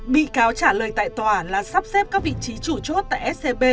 bị cáo trả lời tại tòa là sắp xếp các vị trí chủ chốt tại scb